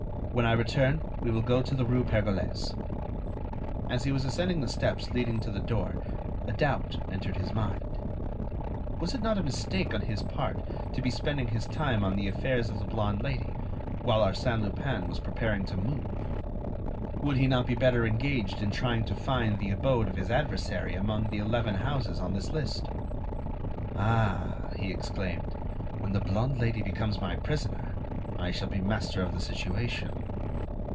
When I return we will go to the rue Pergolese." As he was ascending the steps leading to the door a doubt entered his mind. Was it not a mistake on his part to be spending his time on the affairs of the blonde Lady, while Arsène Lupin was preparing to move? Would he not be better engaged in trying to find the abode of his adversary amongst the eleven houses on his list? "Ah!" he exclaimed, "when the blonde Lady becomes my prisoner, I shall be master of the situation."